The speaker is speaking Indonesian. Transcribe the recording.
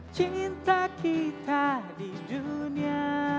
cinta kita di dunia